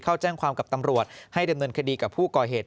เข้าแจ้งความกับตำรวจให้ดำเนินคดีกับผู้ก่อเหตุ